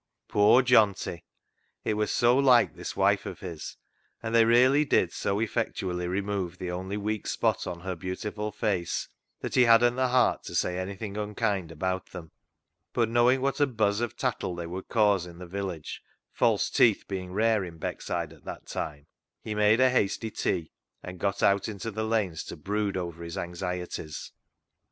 Poor Johnty ! It was so like this wife of his, and they really did so effectually remove the only weak spot on her beautiful face, that he hadn't the heart to say anything unkind about them, but knowing what a buzz of tattle they would cause in the village — false teeth being rare in Beckside at that time — he made a hasty tea and got out into the lanes to brood over his anxieties.